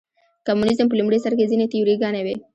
کمونیزم په لومړي سر کې ځینې تیوري ګانې وې.